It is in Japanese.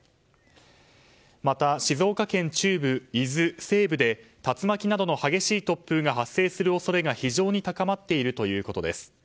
また、静岡県中部、伊豆、西部で竜巻などの激しい突風が発生する恐れが非常に高まっているということです。